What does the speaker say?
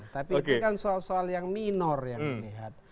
tapi itu kan soal soal yang minor yang dilihat